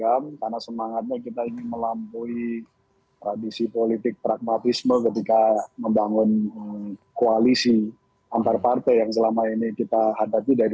atau yang sering disebut sebagai just ekor